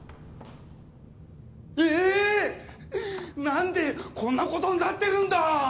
なんでこんな事になってるんだ！？